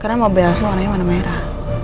karena mobil langsung warnanya warna merah